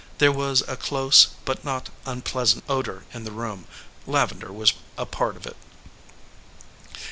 There was a close but not unpleasant odor in the room; lavender was a part of it.